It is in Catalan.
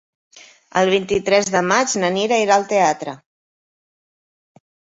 El vint-i-tres de maig na Mira irà al teatre.